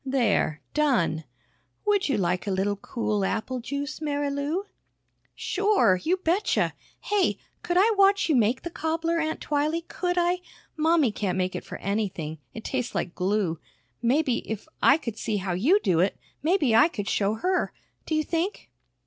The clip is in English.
"There, done. Would you like a little cool apple juice, Marilou?" "Sure you betcha! Hey, could I watch you make the cobbler, Aunt Twylee, could I? Mommy can't make it for anything it tastes like glue. Maybe, if I could see how you do it, maybe I could show her. Do you think?"